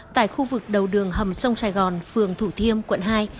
tại khu vực đầu đường hầm sông sài gòn phường thủ thiêm quận hai